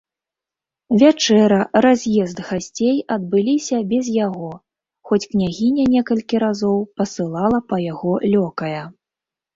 Вячэра, раз'езд гасцей адбыліся без яго, хоць княгіня некалькі разоў пасылала па яго лёкая.